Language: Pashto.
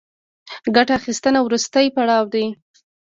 ګټه اخیستنه وروستی پړاو دی